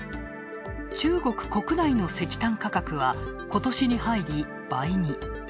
中国国内の石炭価格は、ことしに入り、倍に。